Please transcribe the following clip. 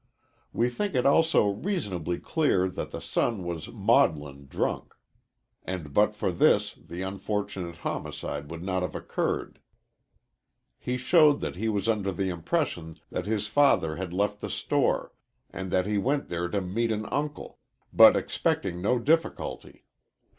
We think it also reasonably clear that the son was maudlin drunk, and but for this the unfortunate homicide would not have occurred. He showed that he was under the impression that his father had left the store, and that he went there to meet an uncle, but expecting no difficulty.